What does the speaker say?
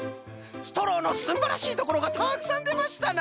ストローのすんばらしいところがたくさんでましたな！